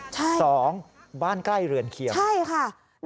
สองบ้านใกล้เรือนเคียงใช่ค่ะ